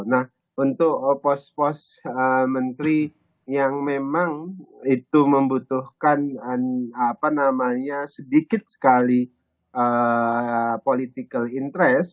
nah untuk pos pos menteri yang memang itu membutuhkan sedikit sekali political interest